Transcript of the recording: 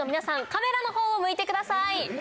カメラの方を向いてください。